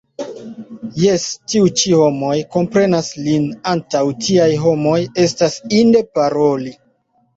Jes, tiuj ĉi homoj komprenas lin, antaŭ tiaj homoj estas inde paroli.